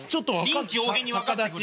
臨機応変に分かってくれ。